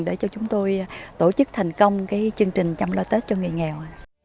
để cho chúng tôi tổ chức thành công chương trình chăm lo tết cho người nghèo